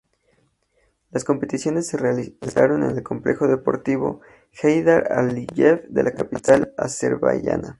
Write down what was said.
Las competiciones se realizaron en el Complejo Deportivo Heydar Aliyev de la capital azerbaiyana.